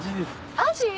アジ！